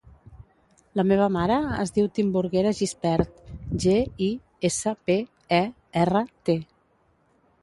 La meva mare es diu Timburguera Gispert: ge, i, essa, pe, e, erra, te.